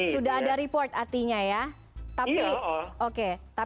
sudah ada report artinya ya